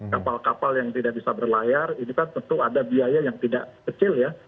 kapal kapal yang tidak bisa berlayar ini kan tentu ada biaya yang tidak kecil ya